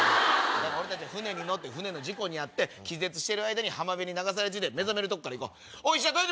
俺たちは船に乗って事故に遭って気絶してる間に浜辺に流れ着いて目覚めるとこから行こう。